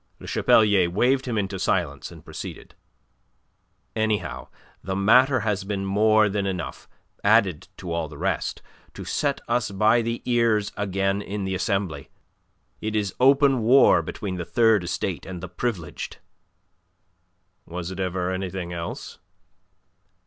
Le Chapelier waved him into silence, and proceeded. "Anyhow, the matter has been more than enough, added to all the rest, to set us by the ears again in the Assembly. It is open war between the Third Estate and the Privileged." "Was it ever anything else?"